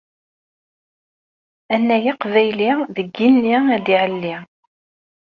Anay aqbayli deg yigenni ad iɛelli.